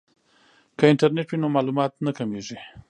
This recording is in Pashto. که انټرنیټ وي نو معلومات نه کمیږي.